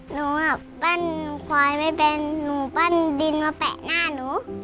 หนูแบบปั้นควายไม่เป็นหนูปั้นดินมาแปะหน้าหนู